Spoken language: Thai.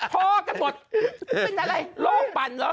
เป็นอะไรโลกปั่นหรอ